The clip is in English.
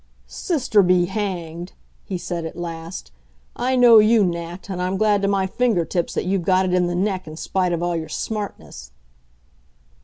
"Sister be hanged!" he said at last. "I know you, Nat, and I'm glad to my finger tips that you've got it in the neck, in spite of all your smartness."